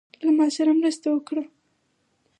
له ماسره مرسته وکړه.